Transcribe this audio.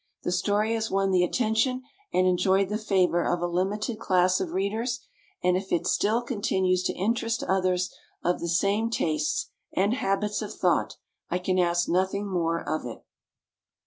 The story has won the attention and enjoyed the favor of a limited class of readers, and if it still continues to interest others of the same tastes and habits of thought I can ask nothing more of it.